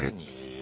え。